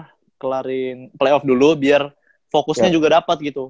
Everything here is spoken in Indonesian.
kita kelarin playoff dulu biar fokusnya juga dapat gitu